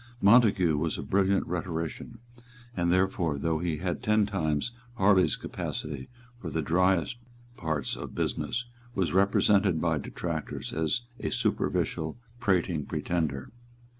Montague was a brilliant rhetorician, and, therefore, though he had ten times Harley's capacity for the driest parts of business, was represented by detractors as a superficial, prating pretender.